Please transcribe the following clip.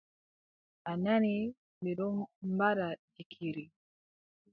A nani, ɓe ɗon mbaɗa jikiri.